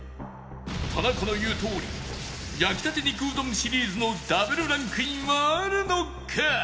田中の言うとおり焼きたて肉うどんシリーズの Ｗ ランクインはあるのか？